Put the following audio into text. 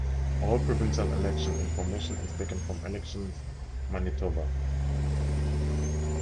All provincial election information is taken from Elections Manitoba.